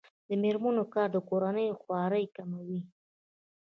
د میرمنو کار د کورنۍ خوارۍ کموي.